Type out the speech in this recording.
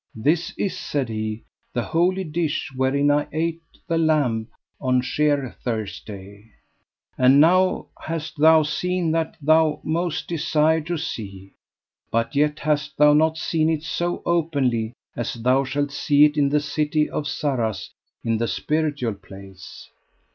This is, said he, the holy dish wherein I ate the lamb on Sheer Thursday. And now hast thou seen that thou most desired to see, but yet hast thou not seen it so openly as thou shalt see it in the city of Sarras in the spiritual place.